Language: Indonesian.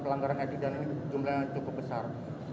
pelanggaran etik dan jumlahnya cukup besar